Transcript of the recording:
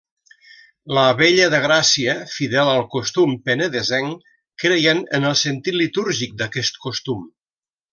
La Vella de Gràcia, fidel al costum penedesenc creien en el sentit litúrgic d'aquest costum.